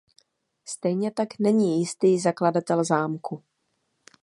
Stejně tak není jistý zakladatel zámku.